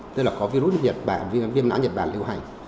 tức là có virus viêm não nhật bản lưu hành